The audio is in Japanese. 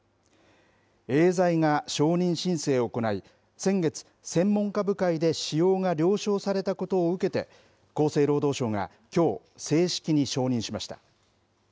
エーザイが承認申請を行い、先月、専門家部会で使用が了承されたことを受けて、厚生労働省がきょう、正式に承認しました。